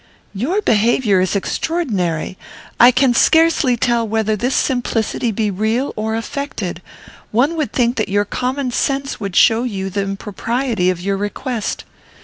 "Your behaviour is extraordinary. I can scarcely tell whether this simplicity be real or affected. One would think that your common sense would show you the impropriety of your request.